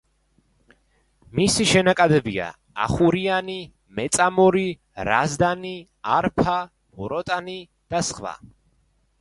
მისი შენაკადებია: ახურიანი, მეწამორი, რაზდანი, არფა, ვოროტანი და სხვა.